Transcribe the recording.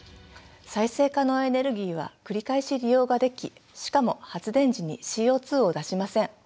再生可能エネルギーは繰り返し利用ができしかも発電時にＣＯを出しません。